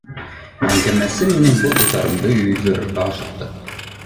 Әңгәмәсем минең был уйҙарымды юйҙырырға ашыҡты.